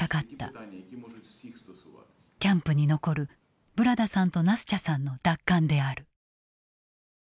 キャンプに残るブラダさんとナスチャさんの奪還である。